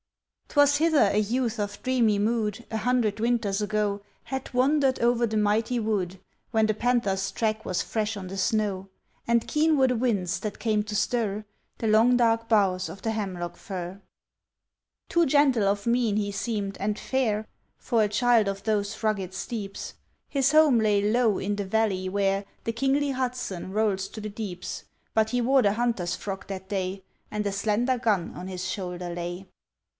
'Twas hither a youth of dreamy mood, A hundred winters ago, Had wandered over the mighty wood, When the panther's track was fresh on the snow, And keen were the winds that came to stir The long dark boughs of the hemlock fir. Too gentle of mien he seemed and fair, For a child of those rugged steeps; His home lay low in the valley where The kingly Hudson rolls to the deeps; But he wore the hunter's frock that day, And a slender gun on his shoulder lay.